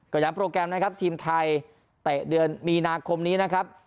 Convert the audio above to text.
ก็ย้ำโปรแกรมนะครับทีมไทยเตะเดือนมีนาคมนี้นะครับ